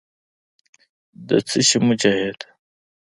د څه شي مجاهد.